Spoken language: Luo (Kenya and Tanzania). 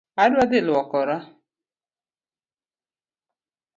Adwa dhi luokora